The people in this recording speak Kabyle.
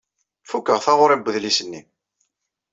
Fukkeɣ taɣuṛi n wedlis-nni.